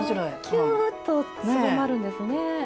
キューッとすぼまるんですね。